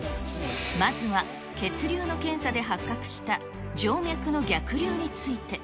まずは血流の検査で発覚した静脈の逆流について。